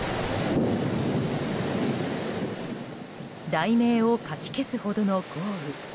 雷鳴をかき消すほどの豪雨。